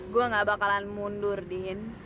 gue gak bakalan mundur diin